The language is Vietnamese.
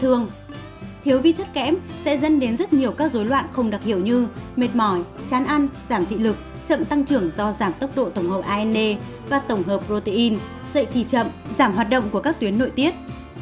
thiếu vi chất kém sẽ dân đến rất nhiều các dối loạn không đặc hiểu như mệt mỏi chán ăn giảm thị lực chậm tăng trưởng do giảm tốc độ tổng hợp a e và tổng hợp protein dậy thì chậm giảm hoạt động của các tuyến nội tiết